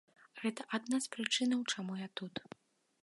Гэта адна з прычынаў, чаму я тут.